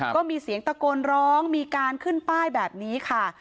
ก็มีเสียงตะโกนร้องมีการขึ้นป้ายแบบนี้ค่ะ